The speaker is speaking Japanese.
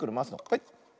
はい。